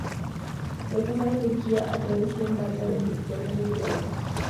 Tras pasar a Turquía y atravesar en barca el Mediterráneo, llegó a Alemania.